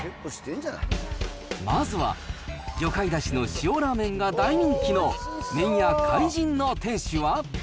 まずは、魚介だしの塩ラーメンが大人気の麺屋海神の店主は。